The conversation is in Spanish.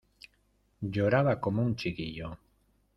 Lloraba como un chiquillo.